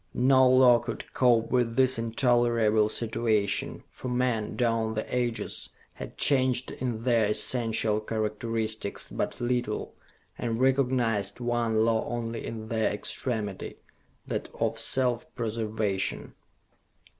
No law could cope with this intolerable situation, for men, down the ages, had changed in their essential characteristics but little and recognized one law only in their extremity, that of self preservation.